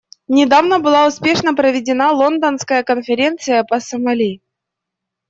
Недавно была успешно проведена Лондонская конференция по Сомали.